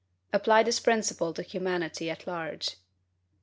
Apply this principle to humanity at large.